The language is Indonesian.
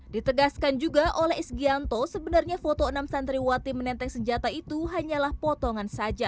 ditegaskan juga oleh esgianto sebenarnya foto enam santriwati menenteng senjata itu hanyalah potongan saja